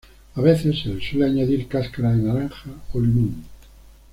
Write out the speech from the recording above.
A veces se les suele añadir cáscara de naranja o limón.